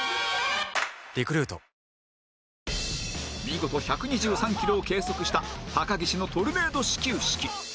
見事１２３キロを計測した高岸のトルネード始球式